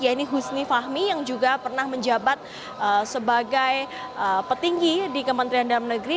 yaitu husni fahmi yang juga pernah menjabat sebagai petinggi di kementerian dalam negeri